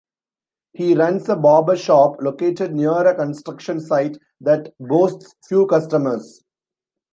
He runs a Barber Shop located near a construction site that boasts few customers.